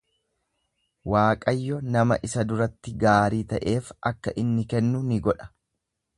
Waaqayyo nama isa duratti gaarii ta'eef akka inni kennu in godha;